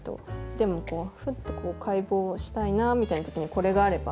でもふっと解剖をしたいなみたいな時にこれがあれば。